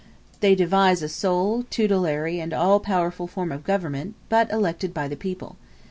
They devise a sole, tutelary, and all powerful form of government, but elected by the people.